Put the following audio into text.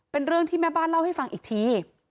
เป็นเรื่องที่แม่บ้านเล่าให้ฟังอีกที